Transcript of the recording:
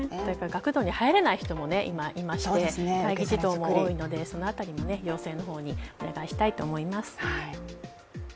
学童に入れない人も今、いまして待機児童も多いのでその辺りも行政の方にお願いしたいと思います。